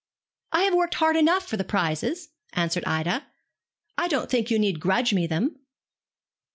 'I have worked hard enough for the prizes,' answered Ida. 'I don't think you need grudge me them.'